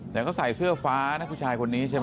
แต่ก็ใส่เสื้อฟ้านะผู้ชายคนนี้ใช่ไหม